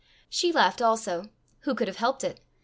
She laughed also who could have helped it?